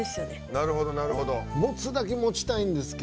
なるほどなるほど。